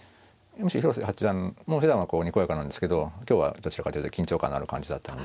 広瀬八段もふだんはこうにこやかなんですけど今日はどちらかというと緊張感のある感じだったので。